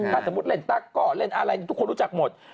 ถ้าสมมุติเล่นตั๊กก้อเล่นอะไรทุกคนรู้จักหมด